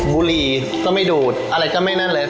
บุรีก็ไม่ดูดอะไรก็ไม่นั่นเลย